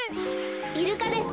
イルカです。